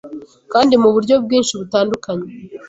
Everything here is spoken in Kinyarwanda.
kandi muburyo bwinshi butandukanye